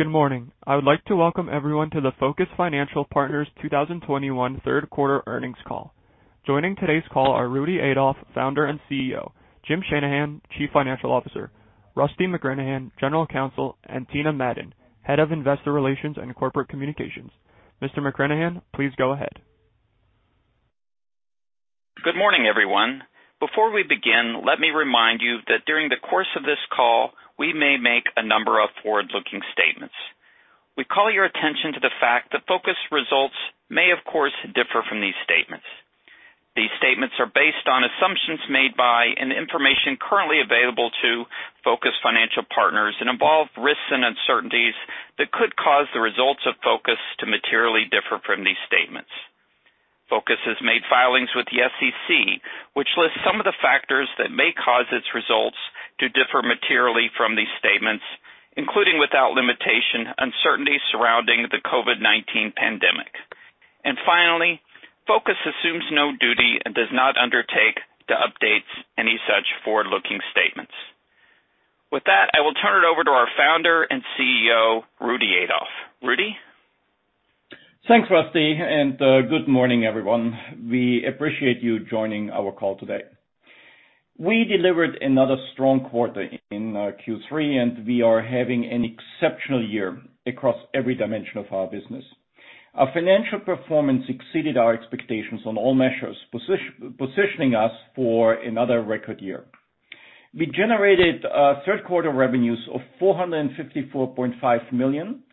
Good morning. I would like to welcome everyone to the Focus Financial Partners 2021 third quarter earnings call. Joining today's call are Rudy Adolf, Founder and CEO, Jim Shanahan, Chief Financial Officer, Rusty McGranahan, General Counsel, and Tina Madon, Head of Investor Relations and Corporate Communications. Mr. McGranahan, please go ahead. Good morning, everyone. Before we begin, let me remind you that during the course of this call, we may make a number of forward-looking statements. We call your attention to the fact that Focus results may, of course, differ from these statements. These statements are based on assumptions made by and the information currently available to Focus Financial Partners and involve risks and uncertainties that could cause the results of Focus to materially differ from these statements. Focus has made filings with the SEC, which lists some of the factors that may cause its results to differ materially from these statements, including without limitation, uncertainty surrounding the COVID-19 pandemic. Finally, Focus assumes no duty and does not undertake to update any such forward-looking statements. With that, I will turn it over to our Founder and CEO, Rudy Adolf. Rudy. Thanks, Rusty, and good morning, everyone. We appreciate you joining our call today. We delivered another strong quarter in Q3, and we are having an exceptional year across every dimension of our business. Our financial performance exceeded our expectations on all measures, positioning us for another record year. We generated third quarter revenues of $454.5 million,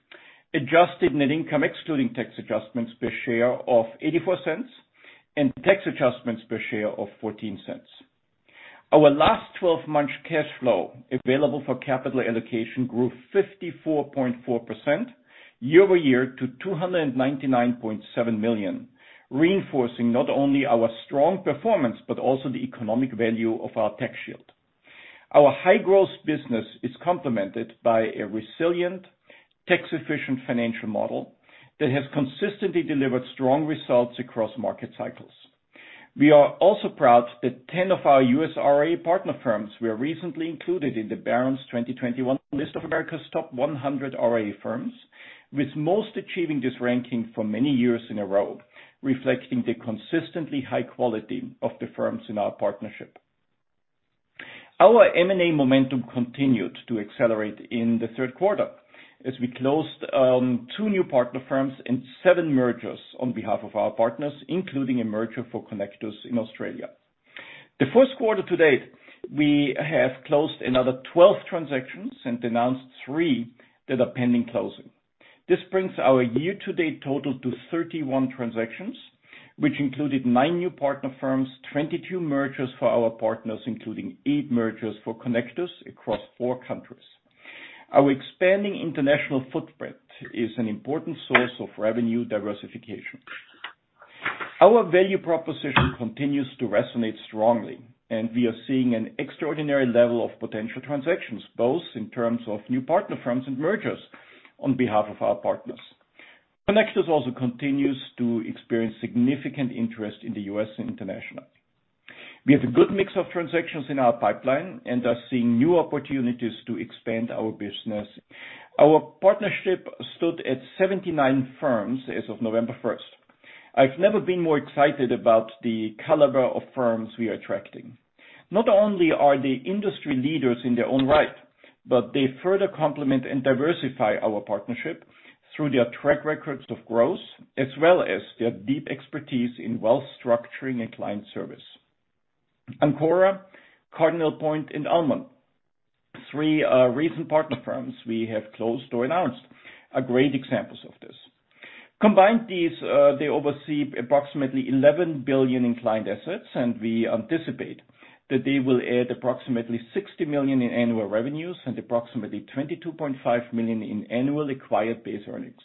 adjusted net income excluding tax adjustments per share of $0.84 and tax adjustments per share of $0.14. Our last twelve-month cash flow available for capital allocation grew 54.4% year over year to $299.7 million, reinforcing not only our strong performance, but also the economic value of our tax shield. Our high-growth business is complemented by a resilient, tax-efficient financial model that has consistently delivered strong results across market cycles. We are also proud that 10 of our US RIA partner firms were recently included in the Barron's 2021 list of America's top 100 RIA firms, with most achieving this ranking for many years in a row, reflecting the consistently high quality of the firms in our partnership. Our M&A momentum continued to accelerate in the third quarter as we closed two new partner firms and seven mergers on behalf of our partners, including a merger for Connectus in Australia. The fourth quarter to date, we have closed another 12 transactions and announced three that are pending closing. This brings our year-to-date total to 31 transactions, which included nine new partner firms, 22 mergers for our partners, including eight mergers for Connectus across four countries. Our expanding international footprint is an important source of revenue diversification. Our value proposition continues to resonate strongly, and we are seeing an extraordinary level of potential transactions, both in terms of new partner firms and mergers on behalf of our partners. Connectus also continues to experience significant interest in the U.S. and internationally. We have a good mix of transactions in our pipeline and are seeing new opportunities to expand our business. Our partnership stood at 79 firms as of November first. I've never been more excited about the caliber of firms we are attracting. Not only are they industry leaders in their own right, but they further complement and diversify our partnership through their track records of growth as well as their deep expertise in wealth structuring and client service. Ancora, Cardinal Point, and Ullmann, three, recent partner firms we have closed or announced, are great examples of this. Combined these, they oversee approximately $11 billion in client assets, and we anticipate that they will add approximately $60 million in annual revenues and approximately $22.5 million in annual acquired base earnings.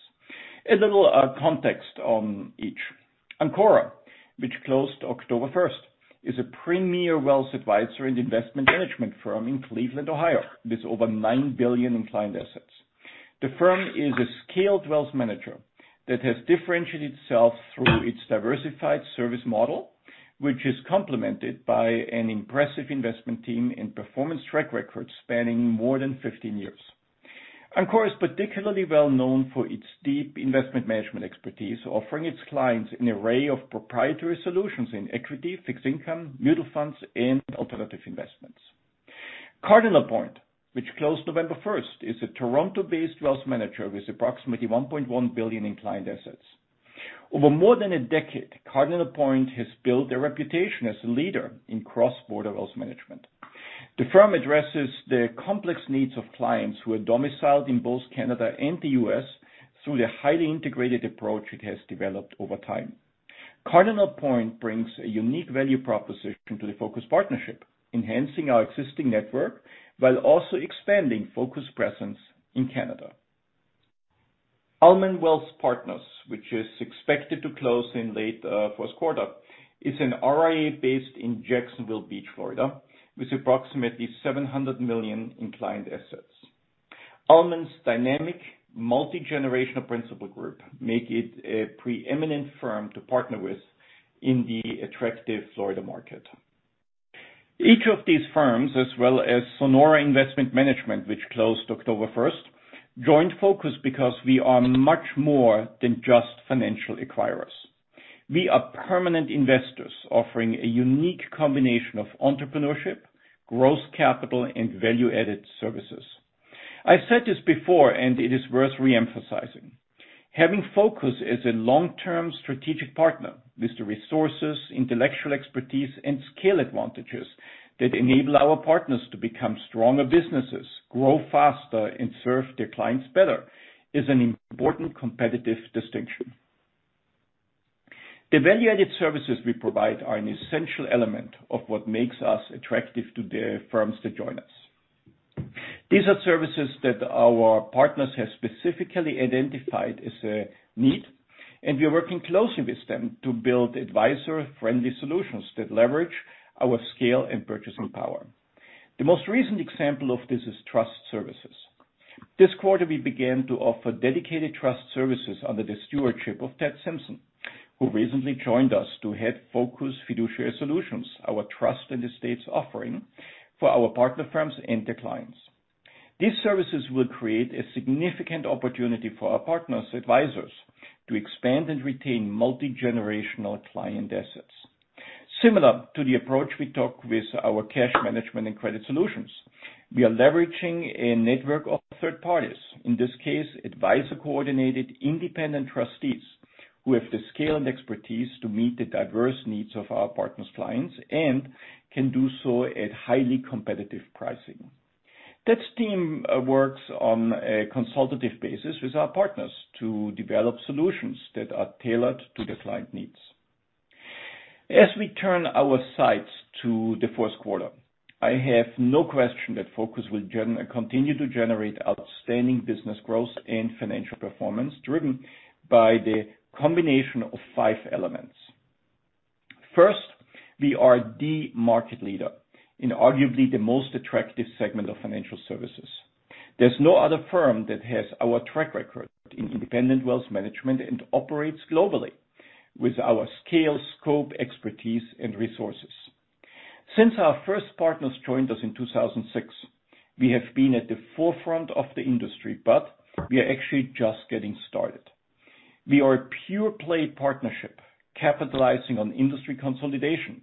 A little context on each. Ancora, which closed October first, is a premier wealth advisor and investment management firm in Cleveland, Ohio, with over $9 billion in client assets. The firm is a skilled wealth manager that has differentiated itself through its diversified service model, which is complemented by an impressive investment team and performance track record spanning more than 15 years. Ancora is particularly well known for its deep investment management expertise, offering its clients an array of proprietary solutions in equity, fixed income, mutual funds, and alternative investments. Cardinal Point, which closed November first, is a Toronto-based wealth manager with approximately 1.1 billion in client assets. Over more than a decade, Cardinal Point has built a reputation as a leader in cross-border wealth management. The firm addresses the complex needs of clients who are domiciled in both Canada and the U.S. through the highly integrated approach it has developed over time. Cardinal Point brings a unique value proposition to the Focus partnership, enhancing our existing network while also expanding Focus presence in Canada. Ullmann Wealth Partners, which is expected to close in late first quarter, is an RIA based in Jacksonville Beach, Florida, with approximately $700 million in client assets. Ullmann's dynamic multi-generational principal group make it a preeminent firm to partner with in the attractive Florida market. Each of these firms, as well as Sonora Investment Management, which closed October 1, joined Focus because we are much more than just financial acquirers. We are permanent investors offering a unique combination of entrepreneurship, growth capital, and value-added services. I've said this before, and it is worth re-emphasizing. Having Focus as a long-term strategic partner with the resources, intellectual expertise, and scale advantages that enable our partners to become stronger businesses, grow faster, and serve their clients better, is an important competitive distinction. The value-added services we provide are an essential element of what makes us attractive to the firms that join us. These are services that our partners have specifically identified as a need, and we are working closely with them to build advisor-friendly solutions that leverage our scale and purchasing power. The most recent example of this is trust services. This quarter, we began to offer dedicated trust services under the stewardship of Ted Simpson, who recently joined us to head Focus Fiduciary Solutions, our trust and estates offering for our partner firms and their clients. These services will create a significant opportunity for our partners, advisors to expand and retain multi-generational client assets. Similar to the approach we took with our cash management and credit solutions, we are leveraging a network of third parties, in this case, advisor-coordinated independent trustees who have the scale and expertise to meet the diverse needs of our partners' clients and can do so at highly competitive pricing. Ted's team works on a consultative basis with our partners to develop solutions that are tailored to the client needs. As we turn our sights to the fourth quarter, I have no question that Focus will continue to generate outstanding business growth and financial performance, driven by the combination of 5 elements. First, we are the market leader in arguably the most attractive segment of financial services. There's no other firm that has our track record in independent wealth management and operates globally with our scale, scope, expertise, and resources. Since our first partners joined us in 2006, we have been at the forefront of the industry, but we are actually just getting started. We are a pure-play partnership capitalizing on industry consolidation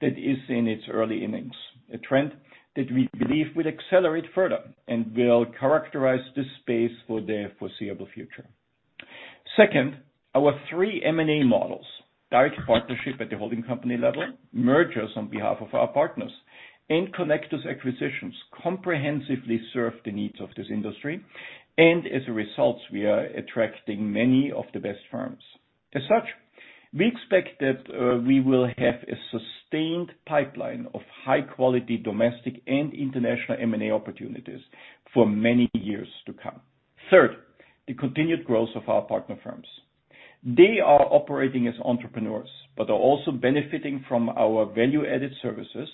that is in its early innings, a trend that we believe will accelerate further and will characterize this space for the foreseeable future. Second, our three M&A models, direct partnership at the holding company level, mergers on behalf of our partners, and Connectus acquisitions comprehensively serve the needs of this industry. As a result, we are attracting many of the best firms. As such, we expect that we will have a sustained pipeline of high-quality domestic and international M&A opportunities for many years to come. Third, the continued growth of our partner firms. They are operating as entrepreneurs, but are also benefiting from our value-added services,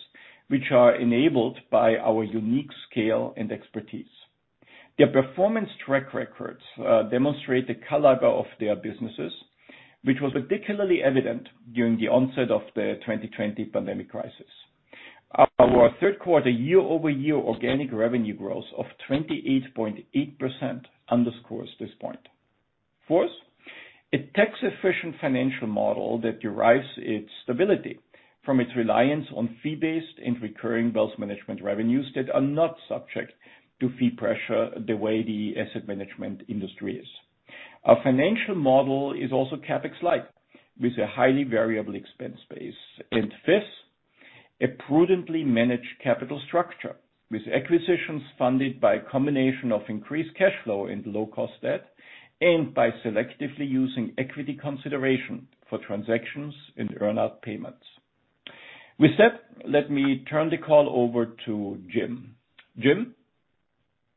which are enabled by our unique scale and expertise. Their performance track records demonstrate the caliber of their businesses, which was particularly evident during the onset of the 2020 pandemic crisis. Our third quarter year-over-year organic revenue growth of 28.8% underscores this point. Fourth, a tax-efficient financial model that derives its stability from its reliance on fee-based and recurring wealth management revenues that are not subject to fee pressure the way the asset management industry is. Our financial model is also CapEx-light, with a highly variable expense base. Fifth, a prudently managed capital structure with acquisitions funded by a combination of increased cash flow and low-cost debt, and by selectively using equity consideration for transactions and earn-out payments. With that, let me turn the call over to Jim. Jim?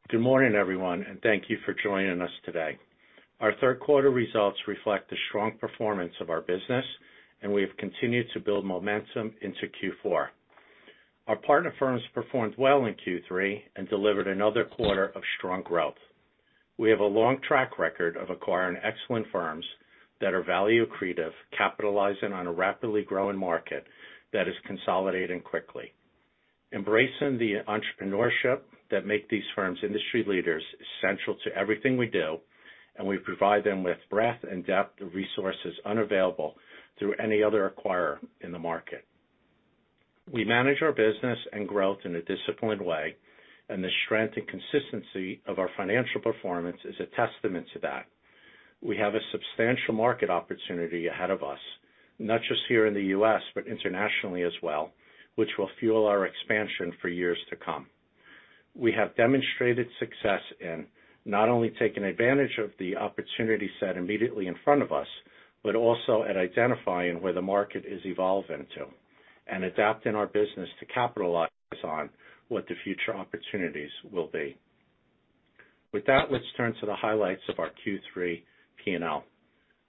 Good morning, everyone, and thank you for joining us today. Our third quarter results reflect the strong performance of our business, and we have continued to build momentum into Q4. Our partner firms performed well in Q3 and delivered another quarter of strong growth. We have a long track record of acquiring excellent firms that are value accretive, capitalizing on a rapidly growing market that is consolidating quickly. Embracing the entrepreneurship that make these firms industry leaders is central to everything we do, and we provide them with breadth and depth of resources unavailable through any other acquirer in the market. We manage our business and growth in a disciplined way, and the strength and consistency of our financial performance is a testament to that. We have a substantial market opportunity ahead of us, not just here in the U.S., but internationally as well, which will fuel our expansion for years to come. We have demonstrated success in not only taking advantage of the opportunity set immediately in front of us, but also at identifying where the market is evolving to and adapting our business to capitalize on what the future opportunities will be. With that, let's turn to the highlights of our Q3 P&L.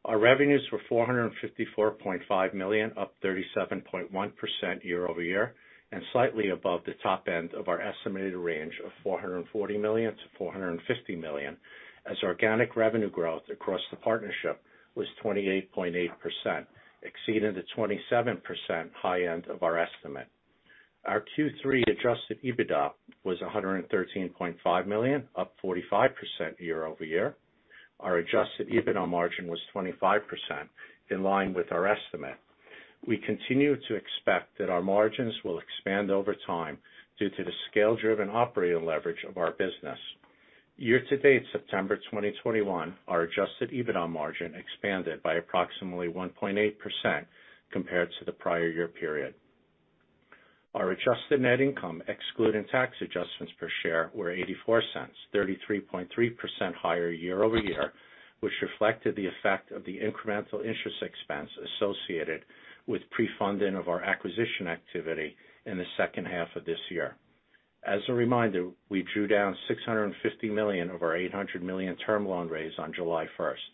Our revenues were $454.5 million, up 37.1% year-over-year and slightly above the top end of our estimated range of $440 million-$450 million as organic revenue growth across the partnership was 28.8%, exceeding the 27% high end of our estimate. Our Q3 adjusted EBITDA was $113.5 million, up 45% year-over-year. Our adjusted EBITDA margin was 25% in line with our estimate. We continue to expect that our margins will expand over time due to the scale-driven operating leverage of our business. Year to date, September 2021, our adjusted EBITDA margin expanded by approximately 1.8% compared to the prior year period. Our adjusted net income, excluding tax adjustments per share, were $0.84, 33.3% higher year-over-year, which reflected the effect of the incremental interest expense associated with pre-funding of our acquisition activity in the second half of this year. As a reminder, we drew down $650 million of our $800 million term loan raise on July 1st.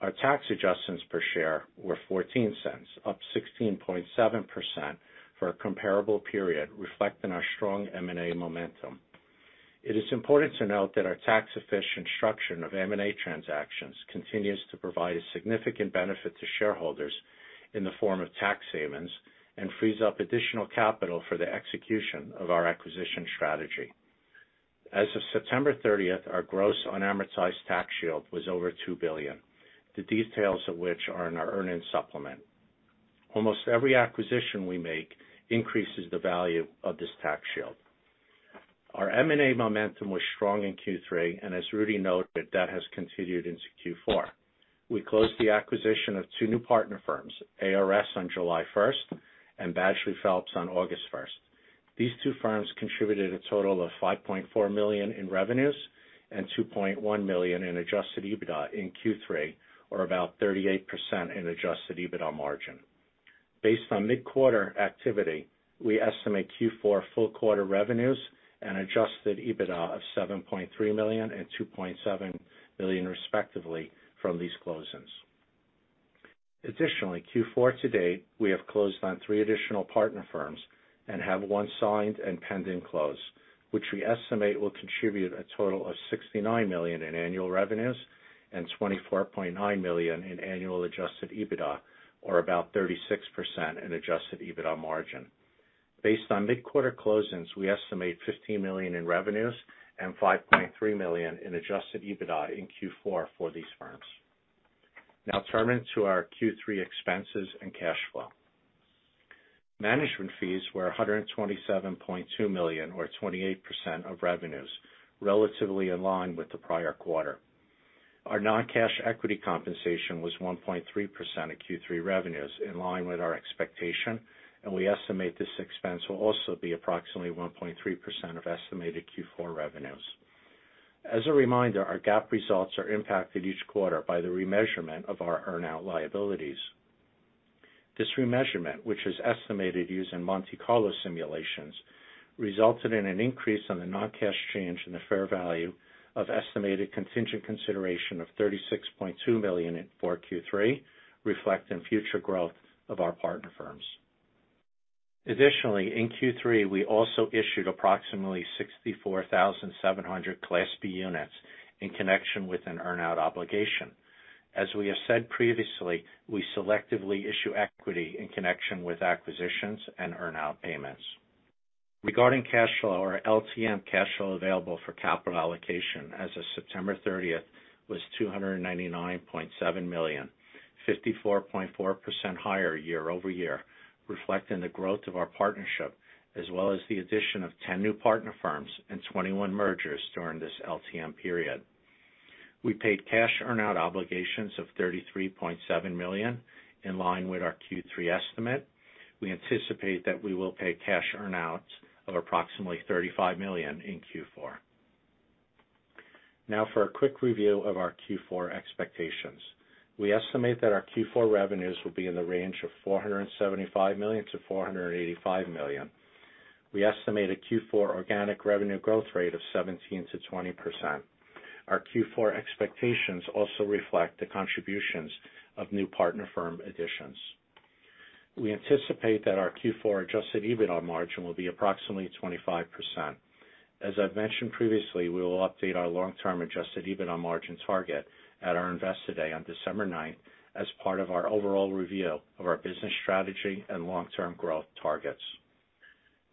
Our tax adjustments per share were $0.14, up 16.7% for a comparable period, reflecting our strong M&A momentum. It is important to note that our tax efficient structure of M&A transactions continues to provide a significant benefit to shareholders in the form of tax savings and frees up additional capital for the execution of our acquisition strategy. As of September 30, our gross unamortized tax shield was over $2 billion, the details of which are in our earnings supplement. Almost every acquisition we make increases the value of this tax shield. Our M&A momentum was strong in Q3, and as Rudy noted, that has continued into Q4. We closed the acquisition of two new partner firms, ARS on July 1st and Badgley Phelps on August 1st. These two firms contributed a total of $5.4 million in revenues and $2.1 million in adjusted EBITDA in Q3, or about 38% in adjusted EBITDA margin. Based on mid-quarter activity, we estimate Q4 full quarter revenues and adjusted EBITDA of $7.3 million and $2.7 million, respectively, from these closings. Additionally, Q4 to date, we have closed on three additional partner firms and have one signed and pending close, which we estimate will contribute a total of $69 million in annual revenues and $24.9 million in annual adjusted EBITDA, or about 36% adjusted EBITDA margin. Based on mid-quarter closings, we estimate $15 million in revenues and $5.3 million in adjusted EBITDA in Q4 for these firms. Now turning to our Q3 expenses and cash flow. Management fees were $127.2 million or 28% of revenues, relatively in line with the prior quarter. Our non-cash equity compensation was 1.3% of Q3 revenues, in line with our expectation, and we estimate this expense will also be approximately 1.3% of estimated Q4 revenues. As a reminder, our GAAP results are impacted each quarter by the remeasurement of our earn-out liabilities. This remeasurement, which is estimated using Monte Carlo simulations, resulted in an increase on the non-cash change in the fair value of estimated contingent consideration of $36.2 million for Q3, reflecting future growth of our partner firms. Additionally, in Q3, we also issued approximately 64,700 Class B units in connection with an earn-out obligation. As we have said previously, we selectively issue equity in connection with acquisitions and earn-out payments. Regarding cash flow, our LTM cash flow available for capital allocation as of September 30 was $299.7 million, 54.4% higher year-over-year, reflecting the growth of our partnership as well as the addition of 10 new partner firms and 21 mergers during this LTM period. We paid cash earn-out obligations of $33.7 million, in line with our Q3 estimate. We anticipate that we will pay cash earn-outs of approximately $35 million in Q4. Now for a quick review of our Q4 expectations. We estimate that our Q4 revenues will be in the range of $475 million-$485 million. We estimate a Q4 organic revenue growth rate of 17%-20%. Our Q4 expectations also reflect the contributions of new partner firm additions. We anticipate that our Q4 adjusted EBITDA margin will be approximately 25%. As I've mentioned previously, we will update our long-term adjusted EBITDA margin target at our Investor Day on December ninth as part of our overall review of our business strategy and long-term growth targets.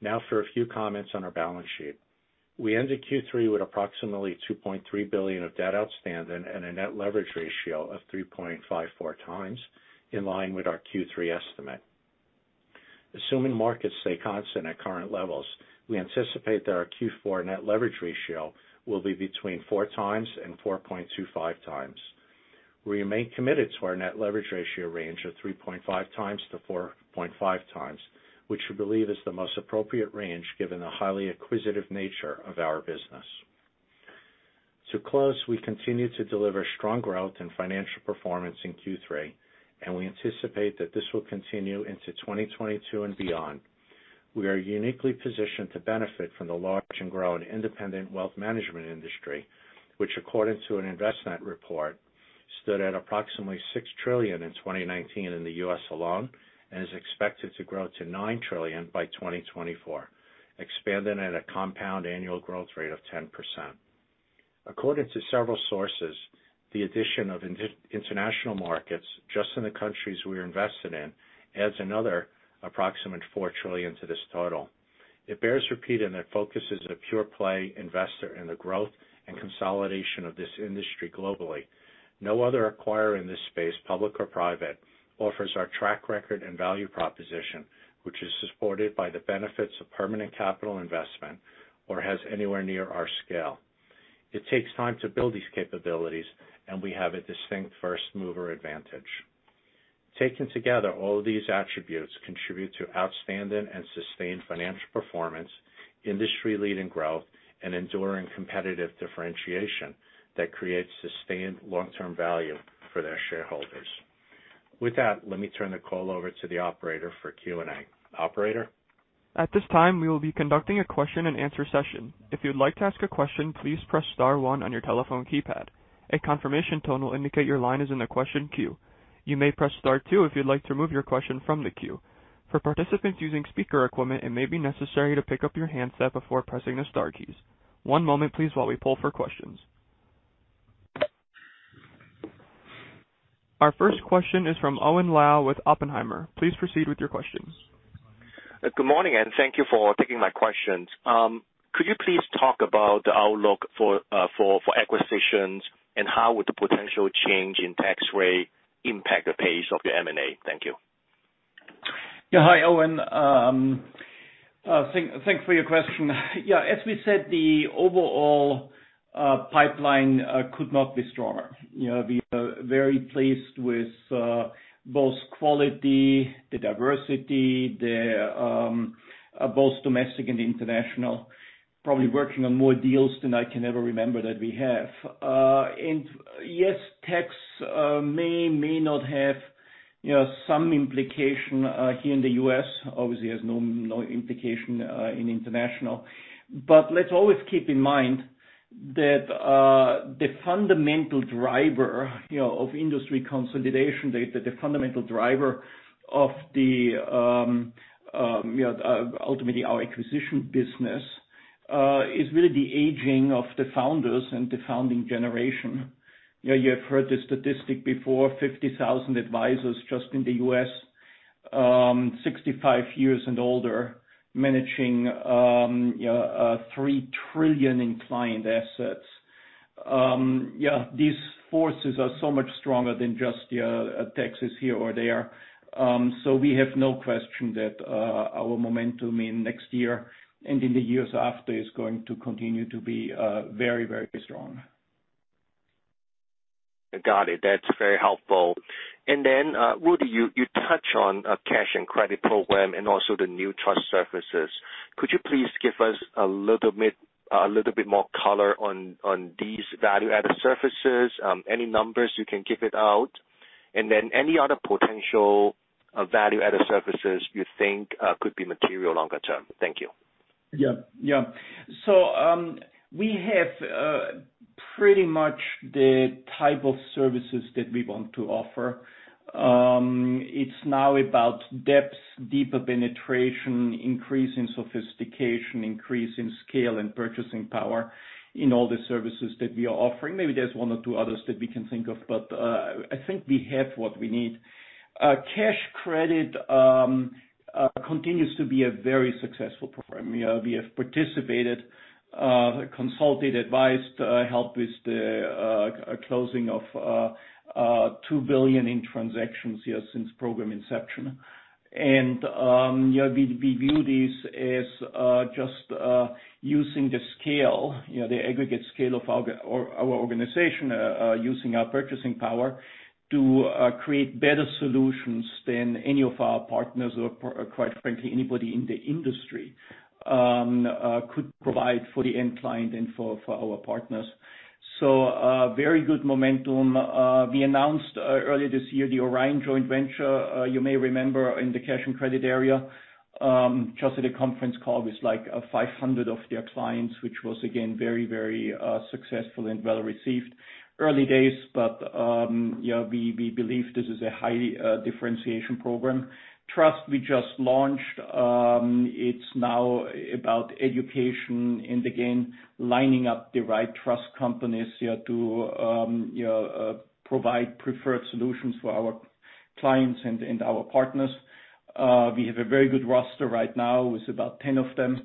Now for a few comments on our balance sheet. We ended Q3 with approximately $2.3 billion of debt outstanding and a net leverage ratio of 3.54 times, in line with our Q3 estimate. Assuming markets stay constant at current levels, we anticipate that our Q4 net leverage ratio will be between 4 times and 4.25 times. We remain committed to our net leverage ratio range of 3.5 times-4.5 times, which we believe is the most appropriate range given the highly acquisitive nature of our business. To close, we continue to deliver strong growth and financial performance in Q3, and we anticipate that this will continue into 2022 and beyond. We are uniquely positioned to benefit from the large and growing independent wealth management industry, which according to an investment report, stood at approximately $6 trillion in 2019 in the U.S. alone and is expected to grow to $9 trillion by 2024, expanding at a compound annual growth rate of 10%. According to several sources, the addition of in international markets just in the countries we're invested in adds another approximate $4 trillion to this total. It bears repeating and it focuses on a pure play investor in the growth and consolidation of this industry globally. No other acquirer in this space, public or private, offers our track record and value proposition, which is supported by the benefits of permanent capital investment or has anywhere near our scale. It takes time to build these capabilities, and we have a distinct first mover advantage. Taken together, all these attributes contribute to outstanding and sustained financial performance, industry-leading growth, and enduring competitive differentiation that creates sustained long-term value for their shareholders. With that, let me turn the call over to the operator for Q&A. Operator? At this time, we will be conducting a question-and-answer session. If you'd like to ask a question, please press star one on your telephone keypad. A confirmation tone will indicate your line is in the question queue. You may press star two if you'd like to remove your question from the queue. For participants using speaker equipment, it may be necessary to pick up your handset before pressing the star keys. One moment please while we poll for questions. Our first question is from Owen Lau with Oppenheimer. Please proceed with your question. Good morning, and thank you for taking my questions. Could you please talk about the outlook for acquisitions, and how would the potential change in tax rate impact the pace of your M&A? Thank you. Yeah. Hi, Owen. Thanks for your question. Yeah, as we said, the overall pipeline could not be stronger. You know, we are very pleased with both quality, the diversity, both domestic and international, probably working on more deals than I can ever remember that we have. Yes, tax may not have, you know, some implication here in the U.S. Obviously, it has no implication in international. Let's always keep in mind that the fundamental driver, you know, of industry consolidation, the fundamental driver of ultimately our acquisition business is really the aging of the founders and the founding generation. You know, you have heard the statistic before, 50,000 advisors just in the U.S., 65 years and older, managing $3 trillion in client assets. Yeah, these forces are so much stronger than just taxes here or there. We have no question that our momentum in next year and in the years after is going to continue to be very, very strong. Got it. That's very helpful. Would you touch on cash and credit program and also the new trust services. Could you please give us a little bit more color on these value-added services, any numbers you can give out? Any other potential value-added services you think could be material longer term? Thank you. Yeah. Yeah. We have pretty much the type of services that we want to offer. It's now about depth, deeper penetration, increase in sophistication, increase in scale and purchasing power in all the services that we are offering. Maybe there's one or two others that we can think of, but I think we have what we need. Cash credit continues to be a very successful program. You know, we have participated, consulted, advised, helped with the closing of $2 billion in transactions, yes, since program inception. Yeah, we view this as just using the scale, you know, the aggregate scale of our organization, using our purchasing power to create better solutions than any of our partners or quite frankly, anybody in the industry could provide for the end client and for our partners. Very good momentum. We announced earlier this year the Orion joint venture, you may remember in the cash and credit area, just at a conference call with like 500 of their clients, which was again very successful and well-received. Early days, but you know, we believe this is a highly differentiation program. Trust, we just launched. It's now about education and again, lining up the right trust companies, yeah, to provide preferred solutions for our clients and our partners. We have a very good roster right now with about 10 of them,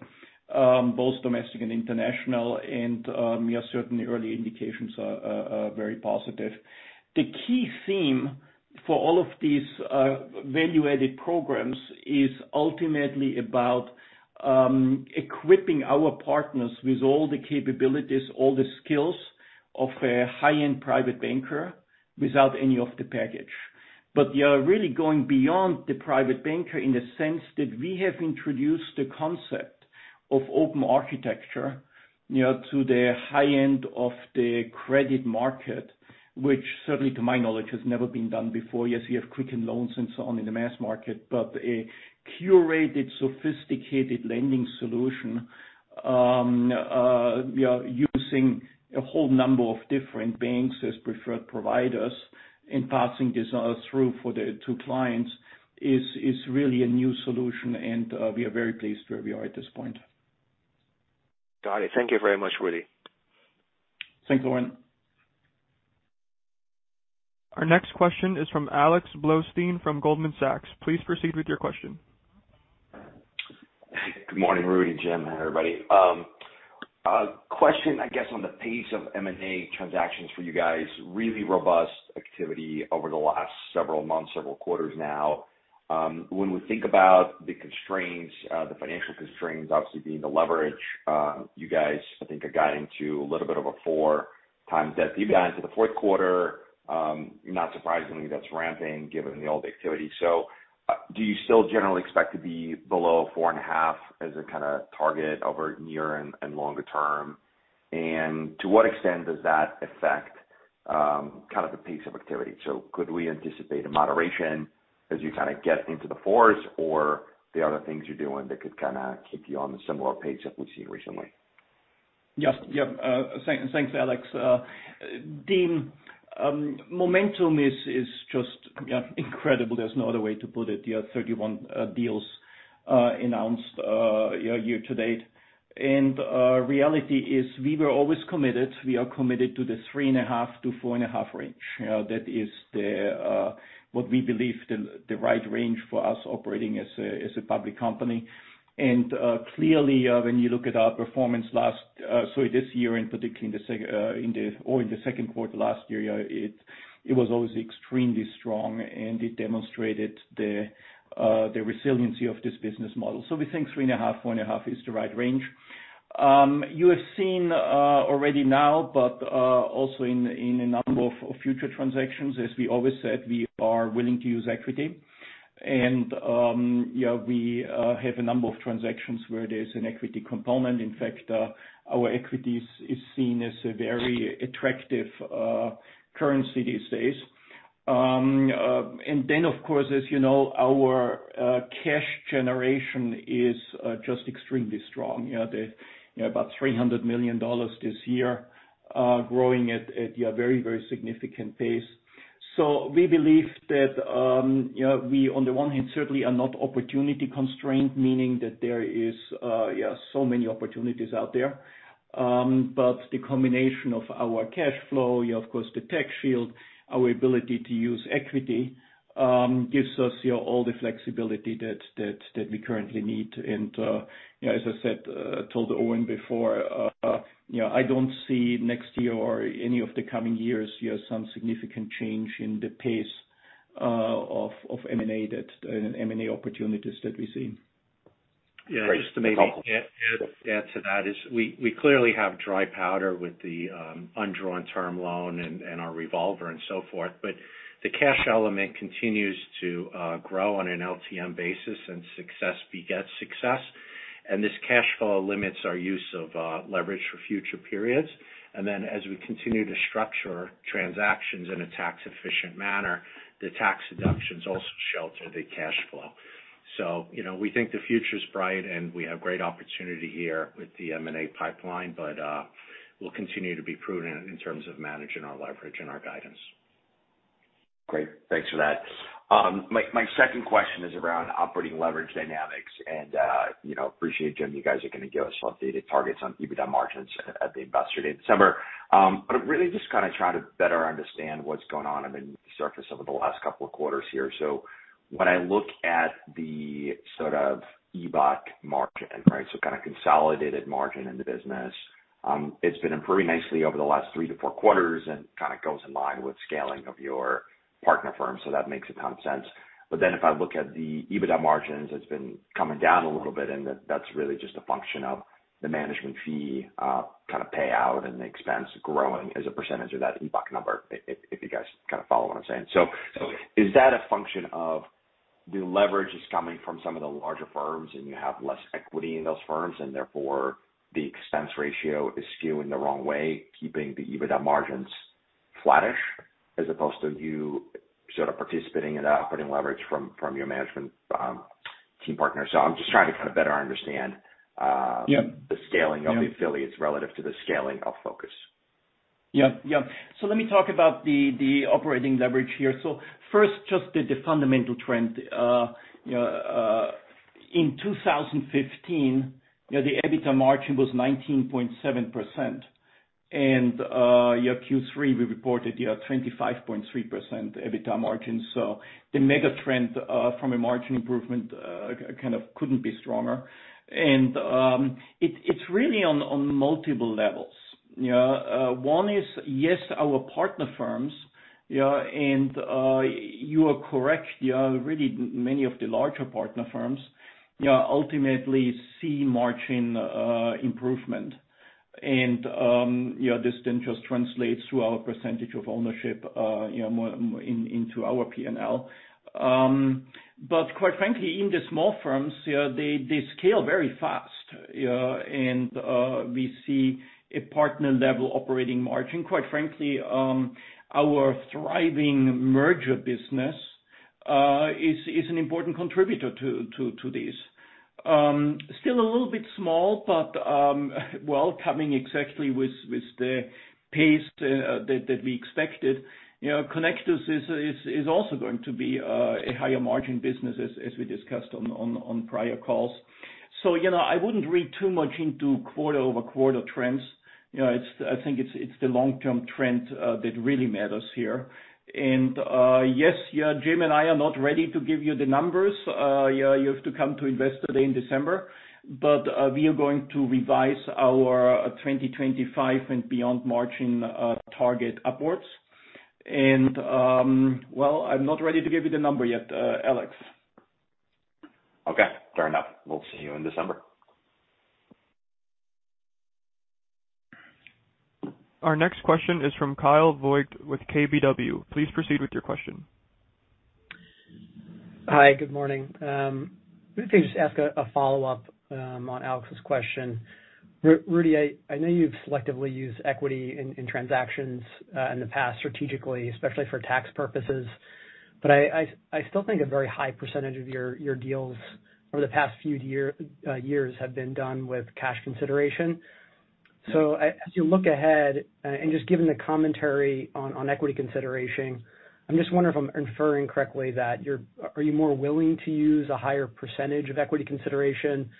both domestic and international, and yeah, certainly early indications are very positive. The key theme for all of these value-added programs is ultimately about equipping our partners with all the capabilities, all the skills of a high-end private banker without any of the baggage. We are really going beyond the private banker in the sense that we have introduced the concept of open architecture, you know, to the high end of the credit market, which certainly to my knowledge, has never been done before. Yes, you have Quicken Loans and so on in the mass market, but a curated, sophisticated lending solution, using a whole number of different banks as preferred providers. In passing this through to clients is really a new solution, and we are very pleased where we are at this point. Got it. Thank you very much, Rudy. Thanks, Owen. Our next question is from Alex Blostein from Goldman Sachs. Please proceed with your question. Good morning, Rudy, Jim, everybody. A question, I guess, on the pace of M&A transactions for you guys. Really robust activity over the last several months, several quarters now. When we think about the constraints, the financial constraints, obviously being the leverage, you guys, I think, have gotten to a little bit of a 4x debt. You got into the fourth quarter, not surprisingly, that's ramping given the M&A activity. Do you still generally expect to be below 4.5 as a kinda target over the near and longer term? And to what extent does that affect, kind of the pace of activity? Could we anticipate a moderation as you kinda get into the fourth, or there are other things you're doing that could kinda keep you on the similar pace that we've seen recently? Yes. Thanks, Alex. The momentum is just incredible. There's no other way to put it. 31 deals announced year-to-date. Reality is we were always committed. We are committed to the 3.5-4.5 range. You know, that is what we believe the right range for us operating as a public company. Clearly, when you look at our performance last year, so this year, and particularly in the second quarter last year, it was always extremely strong, and it demonstrated the resiliency of this business model. We think 3.5-4.5 is the right range. You have seen already now, also in a number of future transactions, as we always said, we are willing to use equity. We have a number of transactions where there's an equity component. In fact, our equities is seen as a very attractive currency these days. Of course, as you know, our cash generation is just extremely strong. You know, about $300 million this year, growing at a very significant pace. We believe that, on the one hand, certainly are not opportunity constrained, meaning that there is yeah, so many opportunities out there. The combination of our cash flow, of course, the tech shield, our ability to use equity, gives us, you know, all the flexibility that we currently need. You know, as I said, told Owen before, you know, I don't see next year or any of the coming years, you know, some significant change in the pace of M&A opportunities that we see. Yeah. Just to maybe add to that is we clearly have dry powder with the undrawn term loan and our revolver and so forth. The cash element continues to grow on an LTM basis, and success begets success. This cash flow limits our use of leverage for future periods. Then as we continue to structure transactions in a tax-efficient manner, the tax deductions also shelter the cash flow. You know, we think the future's bright, and we have great opportunity here with the M&A pipeline, but we'll continue to be prudent in terms of managing our leverage and our guidance. Great. Thanks for that. My second question is around operating leverage dynamics. I appreciate, Jim, you guys are gonna give us updated targets on EBITDA margins at the Investor Day in December. Really just kinda try to better understand what's going on. I mean, on the surface over the last couple of quarters here. When I look at the sort of EBITDA margin, right, so kinda consolidated margin in the business, it's been improving nicely over the last 3-4 quarters and kinda goes in line with scaling of your partner firms. That makes a ton of sense. If I look at the EBITDA margins, it's been coming down a little bit, and that's really just a function of the management fee kinda payout and the expense growing as a percentage of that EBITDA number, if you guys kinda follow what I'm saying. Is that a function of the leverage is coming from some of the larger firms and you have less equity in those firms, and therefore the expense ratio is skewing the wrong way, keeping the EBITDA margins flattish, as opposed to you sorta participating in the operating leverage from your management team partners? I'm just trying to kinda better understand. Yeah. the scaling of the affiliates relative to the scaling of Focus. Yeah. Let me talk about the operating leverage here. First, just the fundamental trend. You know, in 2015, you know, the EBITDA margin was 19.7%. Q3, we reported 25.3% EBITDA margin. The mega trend from a margin improvement kind of couldn't be stronger. It's really on multiple levels, you know. One is, yes, our partner firms, you know, and you are correct. You know, really many of the larger partner firms, you know, ultimately see margin improvement. You know, this then just translates through our percentage of ownership, you know, more into our P&L. But quite frankly, in the small firms, you know, they scale very fast, you know. We see a partner-level operating margin. Quite frankly, our thriving merger business is an important contributor to this. Still a little bit small, but well, coming exactly with the pace that we expected. You know, Connectus is also going to be a higher margin business as we discussed on prior calls. You know, I wouldn't read too much into quarter-over-quarter trends. You know, I think it's the long-term trend that really matters here. Jim and I are not ready to give you the numbers. You have to come to Investor Day in December. We are going to revise our 2025 and beyond margin target upwards. Well, I'm not ready to give you the number yet, Alex. Okay, fair enough. We'll see you in December. Our next question is from Kyle Voigt with KBW. Please proceed with your question. Hi, good morning. Let me just ask a follow-up on Alex's question. Rudy, I know you've selectively used equity in transactions in the past strategically, especially for tax purposes, but I still think a very high percentage of your deals over the past few years have been done with cash consideration. As you look ahead and just given the commentary on equity consideration, I'm just wondering if I'm inferring correctly that you're. Are you more willing to use a higher percentage of equity consideration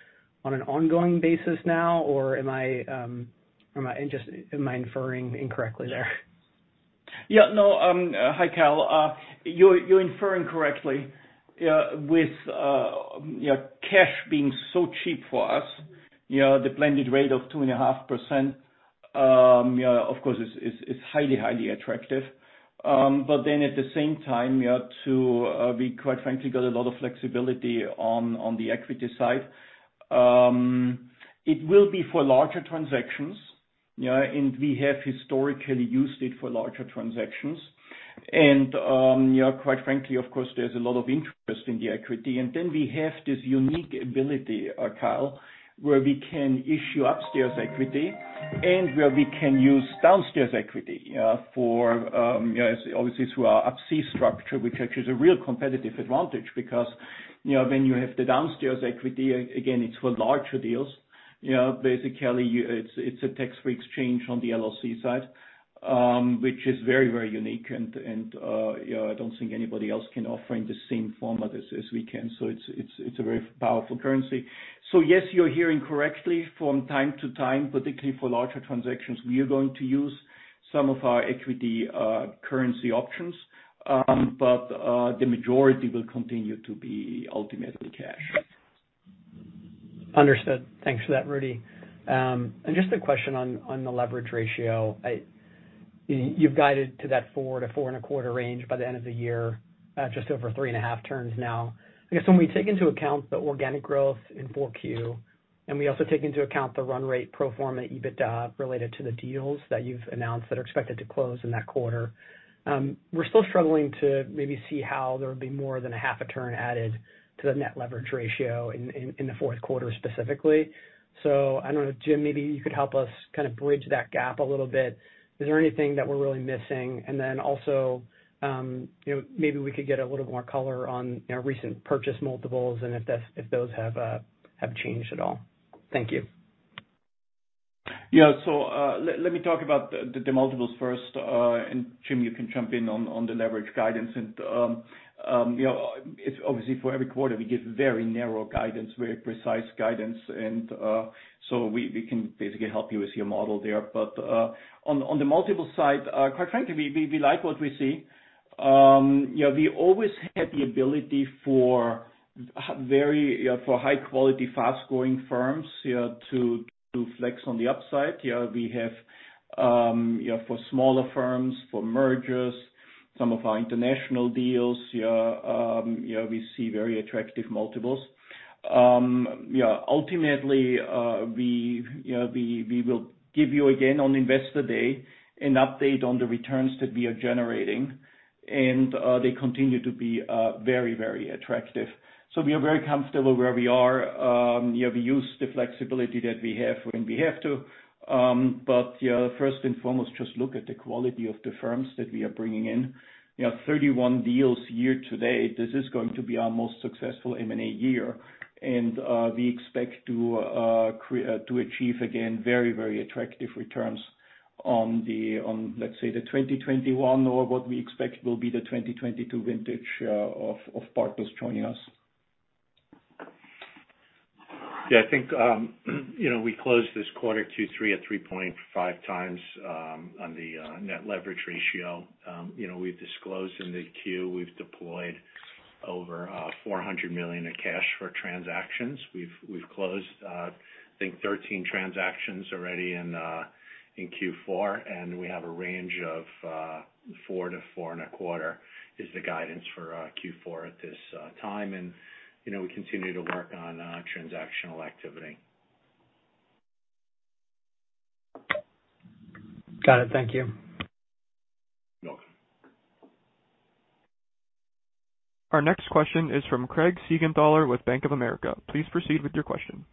on an ongoing basis now, or am I inferring incorrectly there? Yeah, no, hi, Kyle. You're inferring correctly. With cash being so cheap for us, you know, the blended rate of 2.5%, you know, of course, is highly attractive. But then at the same time, we quite frankly got a lot of flexibility on the equity side. It will be for larger transactions. Yeah, and we have historically used it for larger transactions. You know, quite frankly, of course, there's a lot of interest in the equity. We have this unique ability, Kyle, where we can issue upstairs equity and where we can use downstairs equity for you know, obviously through our Up-C structure, which actually is a real competitive advantage because you know, when you have the downstairs equity, again, it's for larger deals. You know, basically, it's a tax-free exchange on the LLC side, which is very, very unique and you know, I don't think anybody else can offer in the same format as we can. It's a very powerful currency. Yes, you're hearing correctly from time to time, particularly for larger transactions, we are going to use some of our equity currency options, but the majority will continue to be ultimately cash. Understood. Thanks for that, Rudy. Just a question on the leverage ratio. You've guided to that 4-4.25 range by the end of the year, just over 3.5 turns now. I guess when we take into account the organic growth in 4Q, and we also take into account the run rate pro forma EBITDA related to the deals that you've announced that are expected to close in that quarter, we're still struggling to maybe see how there would be more than 0.5 turn added to the net leverage ratio in the fourth quarter specifically. I don't know, Jim, maybe you could help us kind of bridge that gap a little bit. Is there anything that we're really missing? Also, you know, maybe we could get a little more color on, you know, recent purchase multiples and if those have changed at all. Thank you. Yeah. Let me talk about the multiples first, and Jim, you can jump in on the leverage guidance. You know, it's obviously for every quarter, we give very narrow guidance, very precise guidance. We can basically help you with your model there. On the multiple side, quite frankly, we like what we see. You know, we always had the ability for very high quality, fast-growing firms to flex on the upside. You know, we have, you know, for smaller firms, for mergers, some of our international deals, you know, we see very attractive multiples. Yeah, ultimately, we will give you again on Investor Day an update on the returns that we are generating, and they continue to be very, very attractive. We are very comfortable where we are. You know, we use the flexibility that we have when we have to. You know, first and foremost, just look at the quality of the firms that we are bringing in. You know, 31 deals year to date, this is going to be our most successful M&A year. We expect to achieve, again, very, very attractive returns on the, let's say, the 2021 or what we expect will be the 2022 vintage of partners joining us. Yeah, I think, you know, we closed this Q3 2023 at 3.5x on the net leverage ratio. You know, we've disclosed in the 10-Q, we've deployed over $400 million in cash for transactions. We've closed, I think, 13 transactions already in Q4, and we have a range of 4x-4.25x is the guidance for Q4 at this time. You know, we continue to work on transactional activity. Got it. Thank you. You're welcome. Our next question is from Craig Siegenthaler with Bank of America. Please proceed with your question.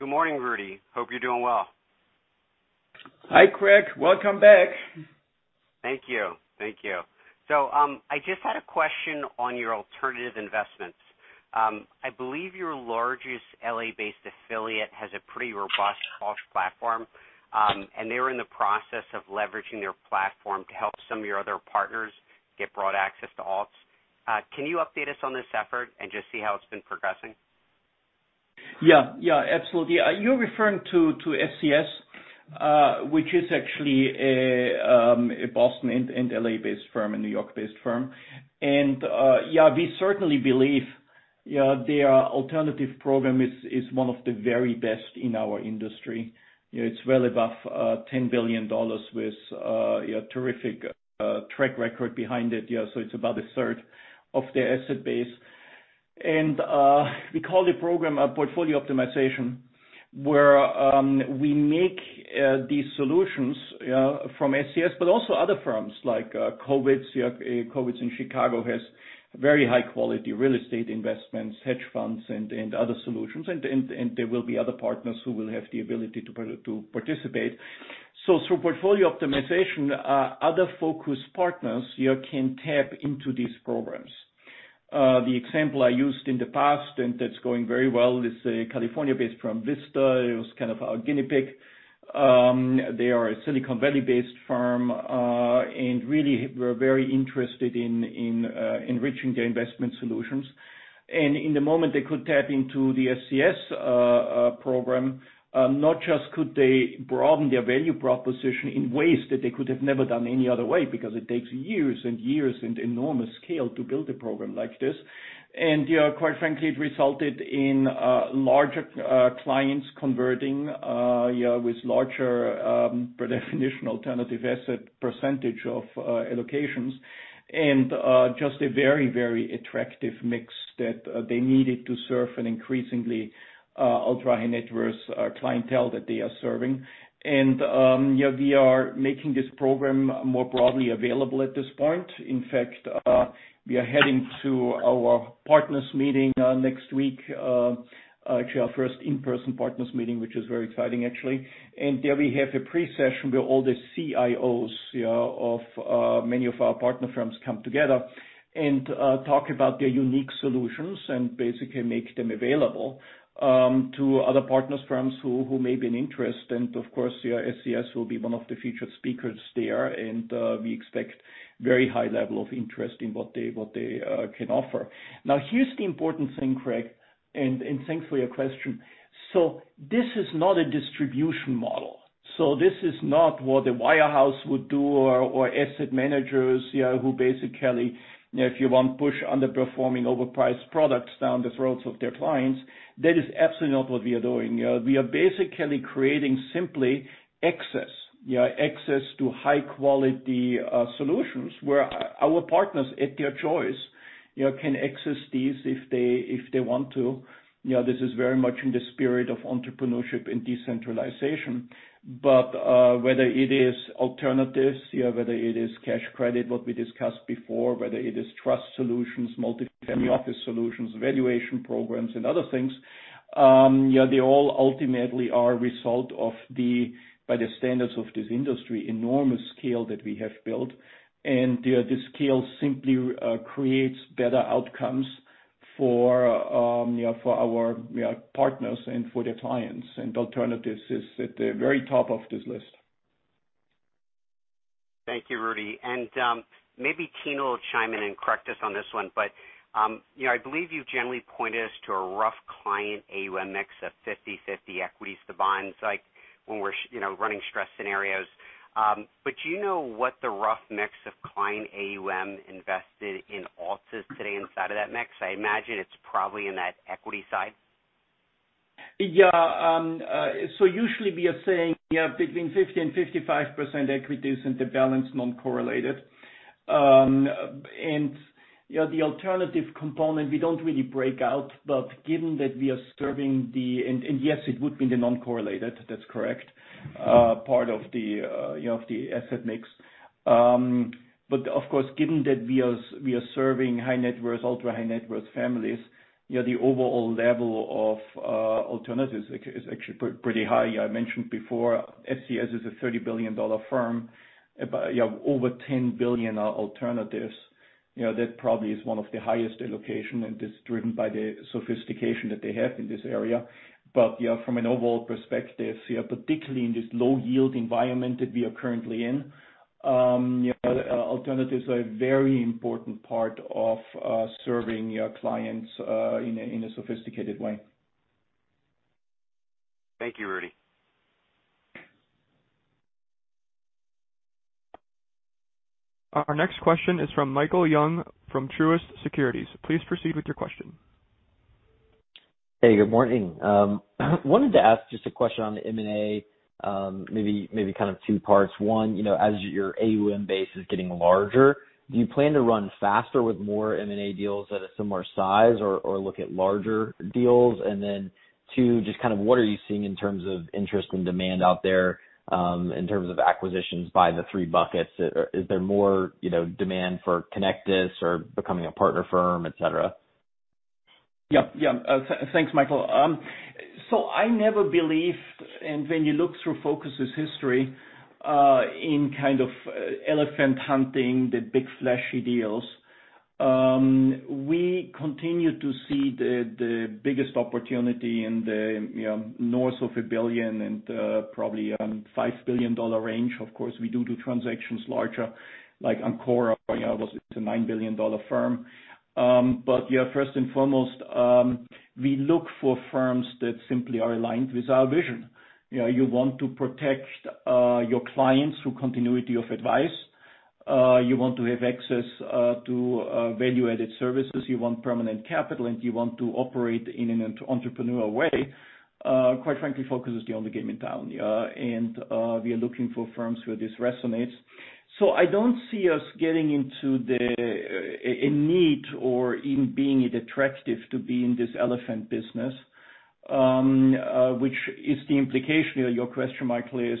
Good morning, Rudy. Hope you're doing well. Hi, Craig. Welcome back. Thank you. I just had a question on your alternative investments. I believe your largest L.A.-based affiliate has a pretty robust alts platform, and they were in the process of leveraging their platform to help some of your other partners get broad access to alts. Can you update us on this effort and just say how it's been progressing? Yeah. Yeah. Absolutely. You're referring to SCS, which is actually a Boston- and L.A.-based firm, a New York-based firm. Yeah, we certainly believe, you know, their alternative program is one of the very best in our industry. You know, it's well above $10 billion with, you know, terrific track record behind it. Yeah, so it's about a third of their asset base. We call the program a portfolio optimization, where we make these solutions from SCS, but also other firms like Kovitz. Kovitz in Chicago has very high quality real estate investments, hedge funds and other solutions. There will be other partners who will have the ability to participate. So through portfolio optimization, other Focus partners, you know, can tap into these programs. The example I used in the past, and that's going very well, is a California-based firm, Vista. It was kind of our guinea pig. They are a Silicon Valley-based firm. Really, we're very interested in enriching their investment solutions. In the moment, they could tap into the SCS program, not just could they broaden their value proposition in ways that they could have never done any other way because it takes years and years and enormous scale to build a program like this. You know, quite frankly, it resulted in larger clients converting, you know, with larger, by definition, alternative asset percentage of allocations and just a very, very attractive mix that they needed to serve an increasingly ultra-high-net-worth clientele that they are serving. Yeah, we are making this program more broadly available at this point. In fact, we are heading to our partners meeting next week, actually our first in-person partners meeting, which is very exciting actually. There we have a pre-session where all the CIOs, you know, of many of our partner firms come together and talk about their unique solutions and basically make them available to other partner firms who may be interested. Of course, your SCS will be one of the featured speakers there. We expect very high level of interest in what they can offer. Now, here's the important thing, Craig, and thanks for your question. This is not a distribution model. This is not what the wirehouse would do or asset managers, you know, who basically, you know, if you want, push underperforming overpriced products down the throats of their clients. That is absolutely not what we are doing. You know, we are basically creating simply access. You know, access to high-quality solutions where our partners, at their choice, you know, can access these if they want to. You know, this is very much in the spirit of entrepreneurship and decentralization. Whether it is alternatives, you know, whether it is cash credit, what we discussed before, whether it is trust solutions, multi-family office solutions, valuation programs and other things, you know, they all ultimately are a result of the, by the standards of this industry, enormous scale that we have built. You know, the scale simply creates better outcomes for, you know, for our, you know, partners and for their clients. Alternatives is at the very top of this list. Thank you, Rudy. Maybe Tina will chime in and correct us on this one, but you know, I believe you've generally pointed us to a rough client AUM mix of 50/50 equities to bonds, like when we're, you know, running stress scenarios. Do you know what the rough mix of client AUM invested in alts is today inside of that mix? I imagine it's probably in that equity side. Usually we are saying, you know, between 50% and 55% equities and the balance non-correlated. You know, the alternative component, we don't really break out, but given that we are serving the non-correlated, that's correct, part of the, you know, of the asset mix. But of course, given that we are serving high-net-worth, ultra-high-net-worth families, you know, the overall level of alternatives is actually pretty high. I mentioned before, SCS Financial is a $30 billion firm. You know, over $10 billion are alternatives. You know, that probably is one of the highest allocation, and it's driven by the sophistication that they have in this area. From an overall perspective, you know, particularly in this low-yield environment that we are currently in, you know, alternatives are a very important part of serving your clients in a sophisticated way. Thank you, Rudy. Our next question is from Michael Young, from Truist Securities. Please proceed with your question. Hey, good morning. Wanted to ask just a question on the M&A, maybe kind of two parts. One, you know, as your AUM base is getting larger, do you plan to run faster with more M&A deals at a similar size or look at larger deals? And then two, just kind of what are you seeing in terms of interest and demand out there, in terms of acquisitions by the three buckets? Is there more, you know, demand for Connectus or becoming a partner firm, et cetera? Thanks, Michael. I never believed, and when you look through Focus's history, in kind of elephant hunting, the big flashy deals, we continue to see the biggest opportunity in the north of a billion and probably five billion dollar range. Of course, we do transactions larger, like Ancora was. It's a nine billion dollar firm. First and foremost, we look for firms that simply are aligned with our vision. You know, you want to protect your clients through continuity of advice. You want to have access to value-added services. You want permanent capital, and you want to operate in an entrepreneurial way. Quite frankly, Focus is the only game in town. We are looking for firms where this resonates. I don't see us getting into any need or even seeing it attractive to be in this elephant business, which is the implication. Your question, Michael, is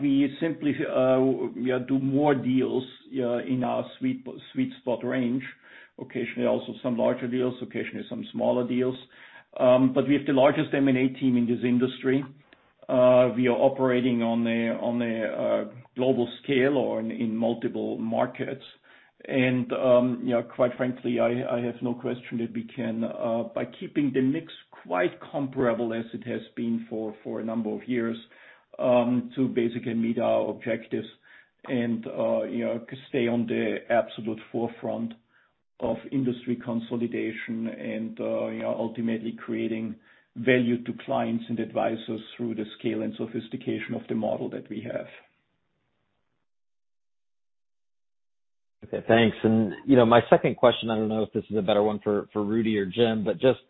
we simply do more deals in our sweet spot range. Occasionally, also some larger deals, occasionally, some smaller deals. But we have the largest M&A team in this industry. We are operating on a global scale or in multiple markets. You know, quite frankly, I have no question that we can, by keeping the mix quite comparable as it has been for a number of years, to basically meet our objectives and, you know, stay on the absolute forefront of industry consolidation and, you know, ultimately creating value to clients and advisors through the scale and sophistication of the model that we have. Okay, thanks. You know, my second question, I don't know if this is a better one for Rudy or Jim, but just,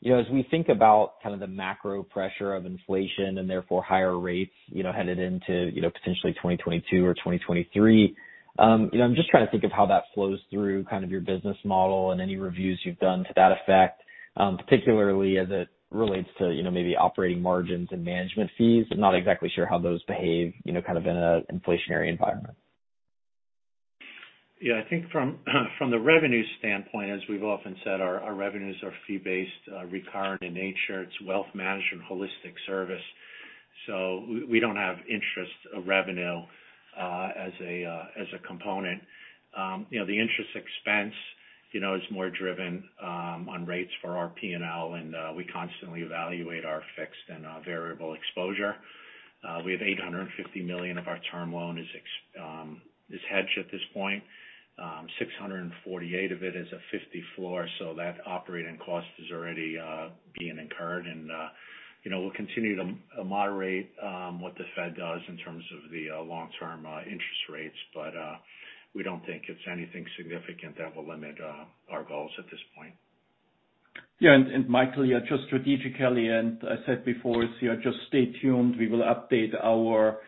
you know, as we think about kind of the macro pressure of inflation and therefore higher rates, you know, headed into, you know, potentially 2022 or 2023, you know, I'm just trying to think of how that flows through kind of your business model and any reviews you've done to that effect, particularly as it relates to, you know, maybe operating margins and management fees. I'm not exactly sure how those behave, you know, kind of in an inflationary environment. Yeah. I think from the revenue standpoint, as we've often said, our revenues are fee-based, recurrent in nature. It's wealth management, holistic service. We don't have interest revenue as a component. You know, the interest expense, you know, is more driven on rates for our P&L, and we constantly evaluate our fixed and variable exposure. We have $850 million of our term loan hedged at this point. 648 of it is a 50 floor, so that operating cost is already being incurred. You know, we'll continue to moderate what the Fed does in terms of the long-term interest rates, but we don't think it's anything significant that will limit our goals at this point. Yeah. Michael, just strategically, I said before, just stay tuned. We will update our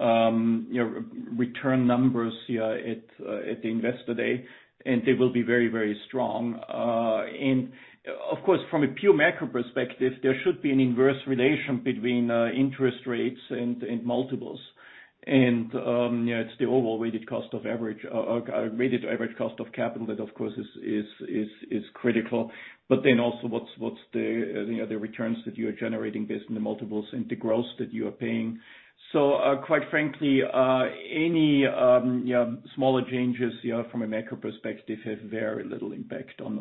you know return numbers here at Investor Day, and they will be very, very strong. Of course, from a pure macro perspective, there should be an inverse relation between interest rates and multiples. You know, it's the overall weighted average cost of capital that, of course, is critical. But then also what's the returns that you are generating based on the multiples and the growth that you are paying. Quite frankly, any smaller changes from a macro perspective have very little impact on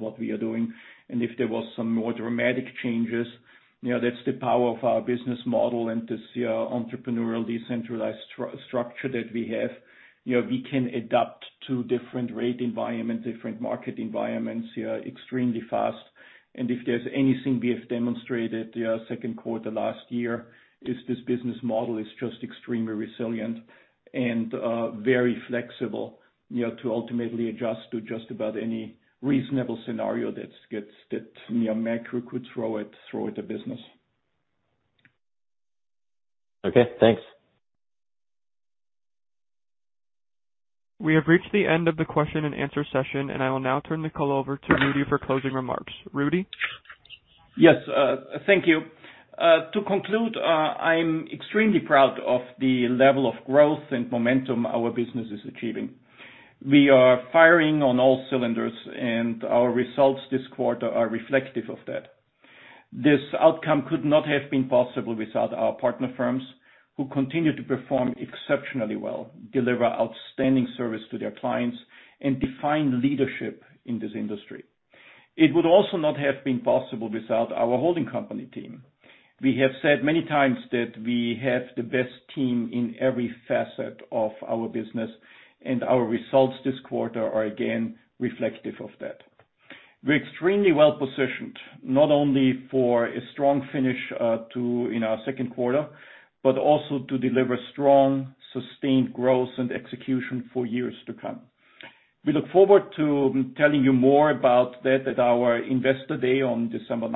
what we are doing. If there was some more dramatic changes, you know, that's the power of our business model and this, entrepreneurial decentralized structure that we have. You know, we can adapt to different rate environment, different market environments, yeah, extremely fast. If there's anything we have demonstrated, yeah, second quarter last year, is this business model is just extremely resilient and, very flexible, you know, to ultimately adjust to just about any reasonable scenario that, you know, macro could throw at the business. Okay, thanks. We have reached the end of the question and answer session, and I will now turn the call over to Rudy for closing remarks. Rudy? Yes, thank you. To conclude, I'm extremely proud of the level of growth and momentum our business is achieving. We are firing on all cylinders, and our results this quarter are reflective of that. This outcome could not have been possible without our partner firms who continue to perform exceptionally well, deliver outstanding service to their clients, and define leadership in this industry. It would also not have been possible without our holding company team. We have said many times that we have the best team in every facet of our business, and our results this quarter are again reflective of that. We're extremely well-positioned, not only for a strong finish in our second quarter, but also to deliver strong, sustained growth and execution for years to come. We look forward to telling you more about that at our Investor Day on December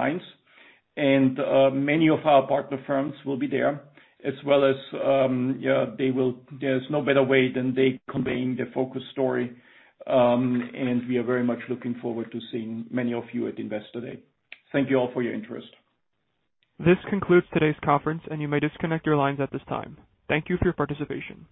9. Many of our partner firms will be there as well as, there's no better way than they conveying the Focus story. We are very much looking forward to seeing many of you at Investor Day. Thank you all for your interest. This concludes today's conference, and you may disconnect your lines at this time. Thank you for your participation.